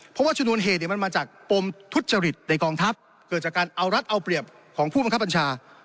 เพราะว่าชนวนเหตุมันมาจากปมทุจริตในกองทัพเกิดจากการเอารัฐเอาเปรียบของผู้บังคับบัญชา